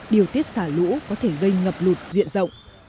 điều tiết xả lũ có thể gây ngập lụt diện rộng